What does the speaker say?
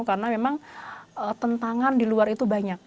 karena memang tentangan di luar itu banyak